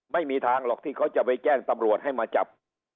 ไม่มีทางหรอกที่เขาจะไปแจ้งตำรวจให้มาจับ